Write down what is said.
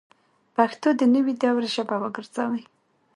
پښتو د نوي دور ژبه وګرځوئ